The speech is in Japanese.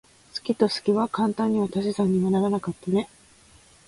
好きと好きは簡単には足し算にはならなかったね。